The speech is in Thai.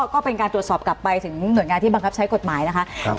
ก็เป็นการตรวจสอบกลับไปถึงหน่วยงานที่บังคับใช้กฎหมายนะคะ